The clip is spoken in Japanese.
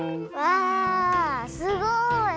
わあすごい！